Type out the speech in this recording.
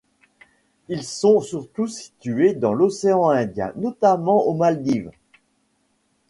Ils sont surtout situé dans l'océan Indien, notamment aux Maldives.